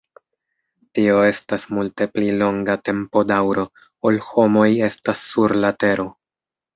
Tio estas multe pli longa tempodaŭro, ol homoj estas sur la Tero.